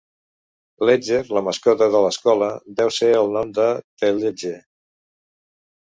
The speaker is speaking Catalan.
Ledger, la mascota de l'escola, deu el seu nom a The Ledge.